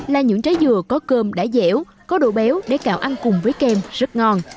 là những trái dừa có cơm đã dẻo có độ béo để cạo ăn cùng với kem rất ngon